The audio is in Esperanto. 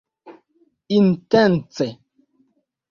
intence